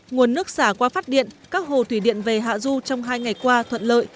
nguồn nước xả qua phát điện các hồ thủy điện về hạ du trong hai ngày qua thuận lợi